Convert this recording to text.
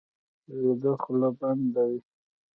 ویده خوله بنده وي